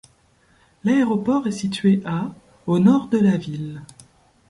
L'aéroport est situé à au nord de la ville.